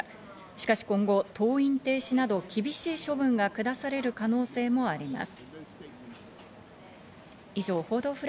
しかし今後、登院停止など厳しい処分がくだされる可能性もあります。